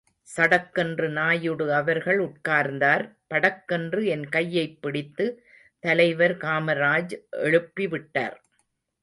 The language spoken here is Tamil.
சடக்கென்று நாயுடு அவர்கள் உட்கார்ந்தார், படக் கென்று என் கையைப்பிடித்து தலைவர் காமராஜ் எழுப்பிவிட்டார்.